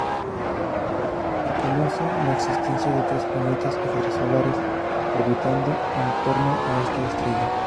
Se conoce la existencia de tres planetas extrasolares orbitando en torno a esta estrella.